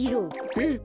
えっ？